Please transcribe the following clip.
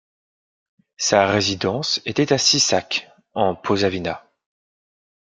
Sa résidence était à Sisak en Posavina.